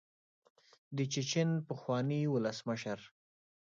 د چیچن پخواني ولسمشر.